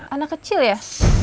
anak kecil ya